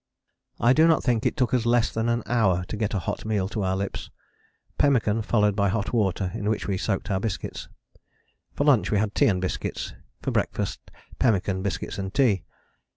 I do not think it took us less than an hour to get a hot meal to our lips: pemmican followed by hot water in which we soaked our biscuits. For lunch we had tea and biscuits: for breakfast, pemmican, biscuits and tea.